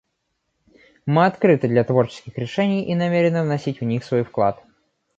Мы открыты для творческих решений и намерены вносить в них свой вклад.